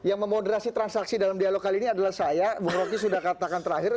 yang memoderasi transaksi dalam dialog kali ini adalah saya bung roky sudah katakan terakhir